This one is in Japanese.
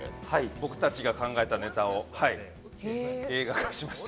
僕たちが考えたネタを映画化しました。